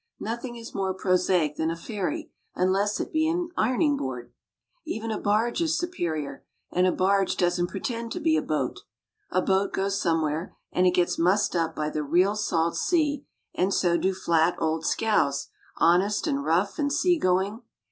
Nothing is more prosaic than a ferry unless it be an ironing board. Even a barge is superior, and a barge doesn't pretend to be a boat. A barge goes somewhere and it gets mussed up by the real salt sea, and so do flat, old scows, honest and rough and sea going.